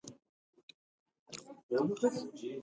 افغانستان د مس په برخه کې نړیوال شهرت لري.